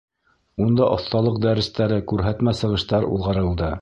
Унда оҫталыҡ дәрестәре, күрһәтмә сығыштар уҙғарылды.